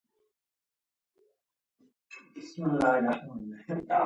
هغوی د کنګل لس دورې په بریالیتوب تېرې کړې.